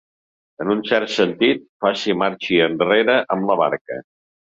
En un cert sentit, faci marxi enrere amb la barca.